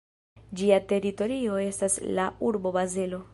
Ĝia teritorio estas la urbo Bazelo.